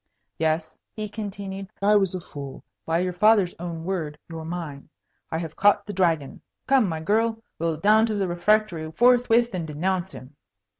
"Yes," he continued, "I was a fool. By your father's own word you're mine. I have caught the Dragon. Come, my girl! We'll down to the refectory forthwith and denounce him."